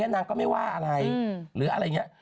นางก็ไม่ว่าอะไร